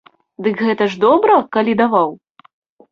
Дык гэта ж добра, калі даваў?